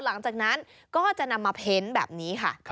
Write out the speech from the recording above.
หลังจากนั้นก็จะนำมาเพ้นแบบนี้ค่ะ